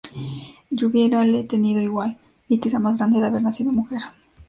yo hubiérale tenido igual, y quizá más grande, de haber nacido mujer: